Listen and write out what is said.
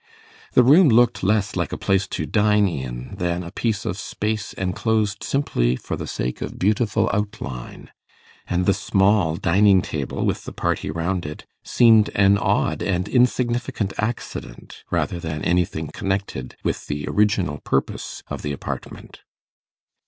The room looked less like a place to dine in than a piece of space enclosed simply for the sake of beautiful outline; and the small dining table, with the party round it, seemed an odd and insignificant accident, rather than anything connected with the original purpose of the apartment.